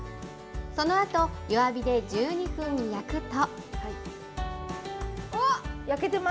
そのあと弱火で１２分焼くと。